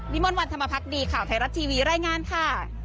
มนต์วันธรรมพักดีข่าวไทยรัฐทีวีรายงานค่ะ